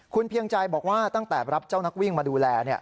คุณเพียงใจบอกว่าตั้งแต่รับเจ้านักวิ่งมาดูแล